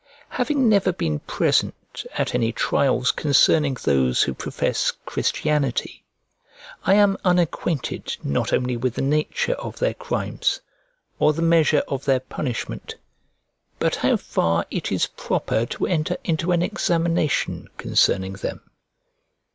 Having never been present at any trials concerning those who profess Christianity, I am unacquainted not only with the nature of their crimes, or the measure of their punishment, but how far it is proper to enter into an examination concerning them.